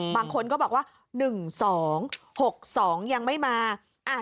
บางคนก็บอกว่า๑๒๖๒ยังไม่มา